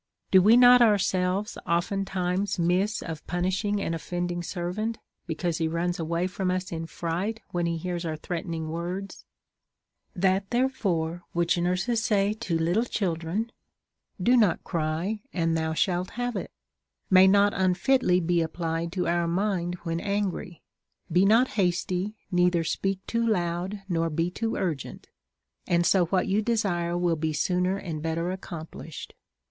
Do we not ourselves oftentimes miss of punishing an offending servant, because he runs away from us in fright when he hears our threatenino; words ? That therefore which nurses say to little children — Do not cry, and thou shalt have it — may not unfitly be applied to our mind Avhen angry. Be not hasty, neither speak too loud, nor be too urgent, and so what you desire will be sooner and better accomplished.